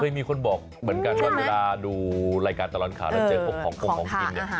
เคยมีคนบอกเหมือนกันว่าเวลาดูรายการตลอดข่าวแล้วเจอของของกิน